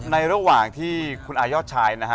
ระหว่างที่คุณอายอดชายนะฮะ